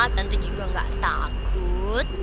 tante juga gak takut